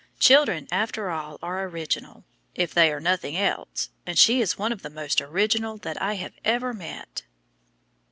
Children after all are original, if they are nothing else, and she is one of the most original that I have ever met."